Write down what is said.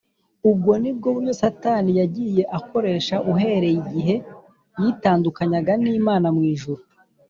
ubwo nibwo buryo satani yagiye akoresha uhereye igihe yitandukanyaga n’imana mu ijuru,